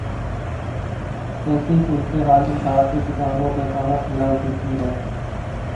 ایسی صورتحال انصاف کے تقاضوں پر کہاں پورا اترتی ہے؟